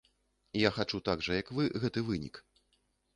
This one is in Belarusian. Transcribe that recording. Я хачу так жа, як вы, гэты вынік.